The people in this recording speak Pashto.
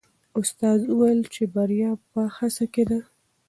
استاد وویل چې بریا په هڅه کې ده.